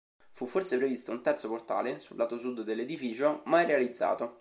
Fu forse previsto un terzo portale, sul lato sud dell'edificio, mai realizzato.